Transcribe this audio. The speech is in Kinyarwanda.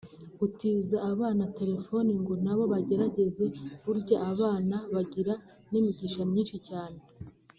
gutiza abana telefoni ngo nabo bagerageze burya abana bagira n’imigisha myinshi cyane